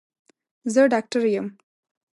زه ډاکټر یم